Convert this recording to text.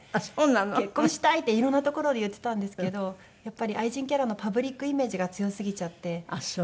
「結婚したい！」っていろんな所で言ってたんですけどやっぱり愛人キャラのパブリックイメージが強すぎちゃってああそう。